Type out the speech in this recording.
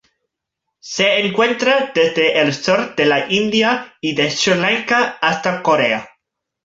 Se encuentra desde el sur de la India y de Sri Lanka hasta Corea.